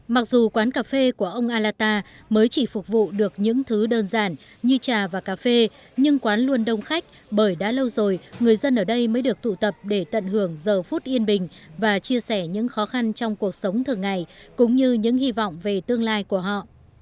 mặc dù quán cà phê của ông alata mới chỉ phục vụ được những thứ đơn giản như trà và cà phê nhưng quán luôn đông khách bởi đã lâu rồi người dân ở đây mới được tụ tập để tận hưởng giờ phút yên bình và chia sẻ những khó khăn trong cuộc sống thường ngày cũng như những hy vọng về tương lai của họ